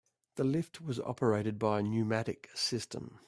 The lift was operated by a pneumatic system.